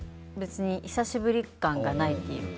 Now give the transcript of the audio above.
久しぶり感がないというか。